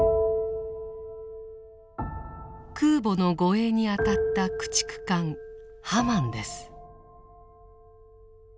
空母の護衛に当たった駆逐艦「ハマン」です。